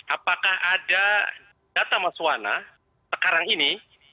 apakah ada data mas wana sekarang ini